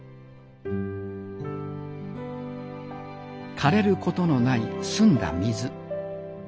かれることのない澄んだ水。